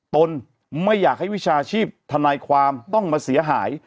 ตนไม่อยากให้วิชาชีพทนายความต้องมาเสียหาย